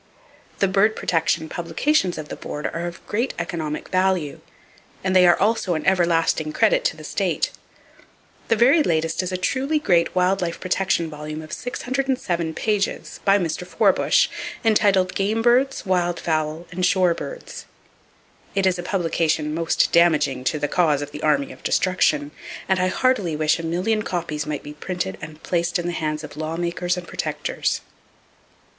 The bird protection publications of the Board are of great economic value, and they are also an everlasting credit to the state. The very latest is a truly great wild life protection volume of 607 pages, by Mr. Forbush, entitled "Game Birds, Wild Fowl and Shore Birds." It is a publication most damaging to the cause of the Army of Destruction, and I heartily wish a million copies might be printed and placed in the hands of lawmakers and protectors.